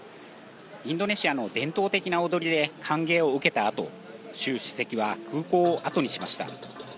インドネシアの伝統的な踊りで歓迎を受けたあと、習主席は空港を後にしました。